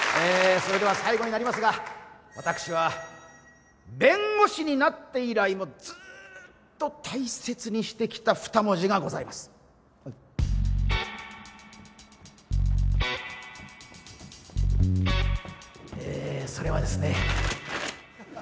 それでは最後になりますが私は弁護士になって以来ずっと大切にしてきた二文字がございますえそれはですねハハハ